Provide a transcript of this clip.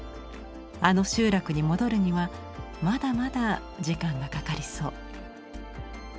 あの集落に戻るにはまだまだ時間がかかりそう。